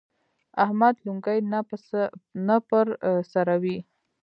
احمد لونګۍ نه پر سروي.